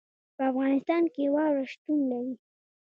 په افغانستان کې واوره شتون لري.